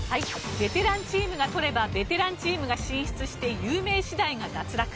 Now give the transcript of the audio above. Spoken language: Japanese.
ベテランチームが取ればベテランチームが進出して有名私大が脱落。